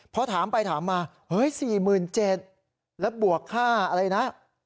พอถามไปถามมาเฮ้ย๔๗๐๐แล้วบวกค่าอะไรนะ